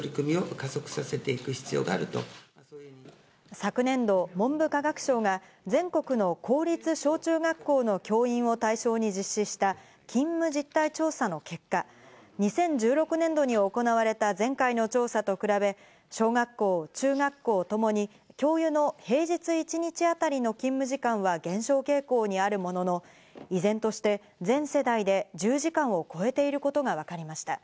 昨年度、文部科学省が全国の公立小中学校の教員を対象に実施した勤務実態調査の結果、２０１６年度に行われた前回の調査と比べ小学校・中学校ともに教諭の平日一日当たりの勤務時間は減少傾向にあるものの、依然として全世代で１０時間を超えていることがわかりました。